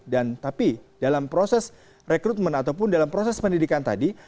dan tapi dalam proses rekrutmen ataupun dalam proses pendidikan tadi